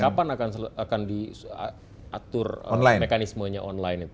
kapan akan diatur mekanismenya online itu